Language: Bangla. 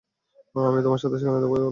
আমি তোমার সাথে সেখানেই দেখা করবো।